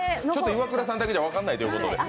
イワクラさんだけじゃ分からないということで。